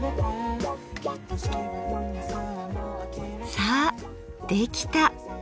さあできた！